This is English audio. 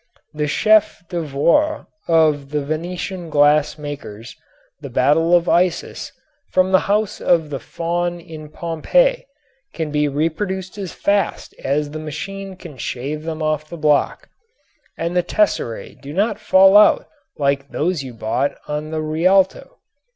That chef d'oeuvre of the Venetian glass makers, the Battle of Isus, from the House of the Faun in Pompeii, can be reproduced as fast as the machine can shave them off the block. And the tesserae do not fall out like those you bought on the Rialto.